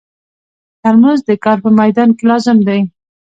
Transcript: ترموز د کار په مېدان کې لازم دی.